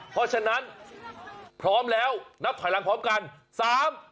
เพราะฉะนั้นพร้อมแล้วนับถอยหลังพร้อมกันสาม